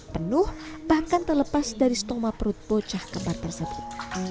penuh bahkan terlepas dari stoma perut bocah kembar tersebut